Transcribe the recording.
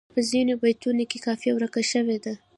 په ځینو بیتونو کې قافیه ورکه شوې ده.